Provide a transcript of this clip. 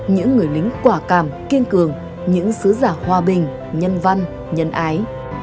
những người lính quả cảm kiên cường những sứ giả hòa bình nhân văn nhân ái